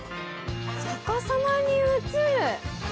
「逆さまに映る」。